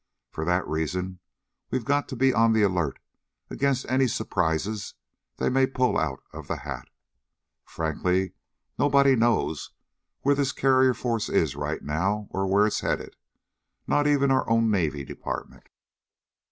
For that reason, we've got to be on the alert against any surprises they might pull out of the hat. Frankly, nobody knows where this carrier force is right now, or where it's headed. Not even our own Navy Department.